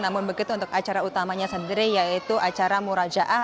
namun begitu untuk acara utamanya sendiri yaitu acara murajaah